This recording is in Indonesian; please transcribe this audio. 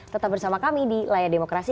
tetap bersama kami di layar demokrasi